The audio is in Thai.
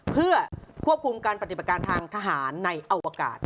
เพื่อควบคุมการปฏิบัติการทางทหารในอวกาศ